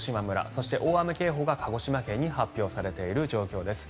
そして大雨警報が鹿児島県に発表されている状況です。